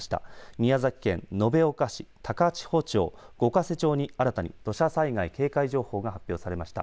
宮崎県延岡市、高千穂町、五ヶ瀬町に新たに土砂災害警戒情報が発表されました。